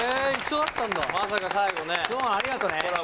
そうありがとね。